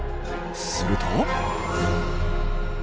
すると。